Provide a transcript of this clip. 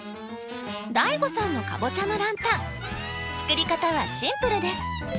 ＤＡＩＧＯさんのカボチャのランタン作り方はシンプルです。